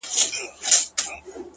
• په خپل جنت کي سره دوخونه ,